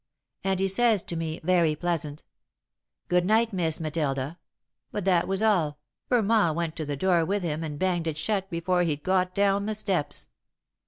And he says to me, very pleasant: 'Good night, Miss Matilda,' but that was all, for Ma went to the door with him and banged it shut before he'd got down the steps.